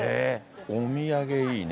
お土産いいね。